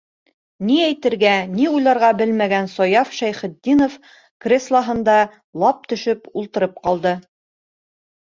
Ни әйтергә, ни уйларға белмәгән Саяф Шәйхетдинов креслоһында лап төшөп ултырып ҡалды.